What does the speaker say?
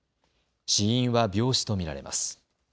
死因は病死と見られます。